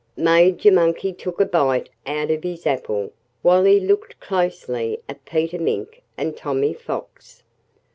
Major Monkey took a bite out of his apple while he looked closely at Peter Mink and Tommy Fox.